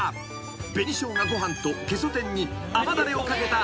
［紅しょうがご飯とゲソ天に甘だれをかけた］